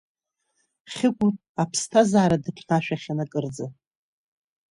Хьыкәыр аԥсҭазаара дыԥнашәахьан акырӡа.